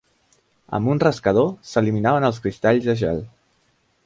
Amb un rascador s'eliminaven els cristalls de gel.